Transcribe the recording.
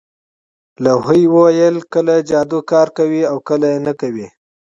لوحې ویل کله جادو کار کوي او کله نه کوي